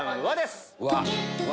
「わ」